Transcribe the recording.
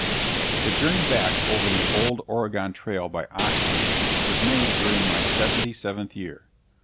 The journey back over the old Oregon Trail by ox team was made during my seventy seventh year.